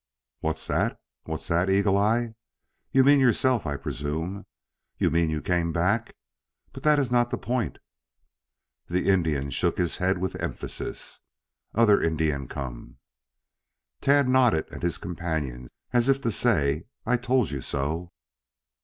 "What's that? What's that, Eagle eye? You mean yourself, I presume. You mean you came back. But that is not the point " The Indian shook his head with emphasis. "Other Indian come." Tad nodded at his companions as if to say, "I told you so."